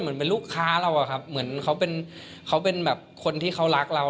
เหมือนเป็นลูกค้าเราเหมือนเขาเป็นคนที่เขารักเรา